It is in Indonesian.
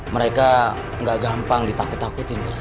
mereka enggak gampang di takut takutin bos